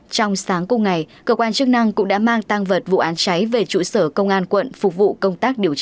trong sáng cùng ngày cơ quan chức năng cũng đã mang tăng vật vụ án cháy về trụ sở công an quận phục vụ công tác điều tra